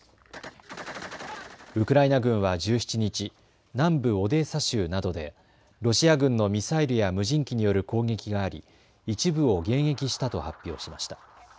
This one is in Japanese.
ウクライナ軍は１７日、南部オデーサ州などでロシア軍のミサイルや無人機による攻撃があり一部を迎撃したと発表しました。